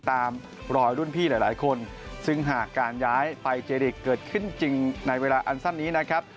ตามรอยรุ่นพี่หลายคนซึ่งหากการย้ายไปเจริกเกิดขึ้นจริงในเวลาอันสั้นนี้นะครับ